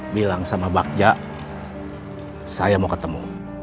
bilang sama bagja saya mau ketemu